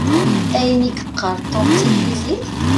Ayen i yeqqar Tom taglizit?